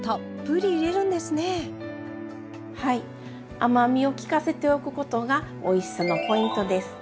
甘みをきかせておくことがおいしさのポイントです。